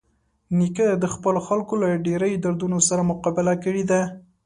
نیکه د خپلو خلکو له ډېرۍ دردونو سره مقابله کړې ده.